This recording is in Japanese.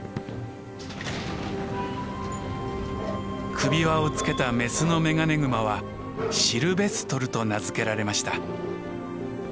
首輪を付けたメスのメガネグマはシルベストルと名付けられました。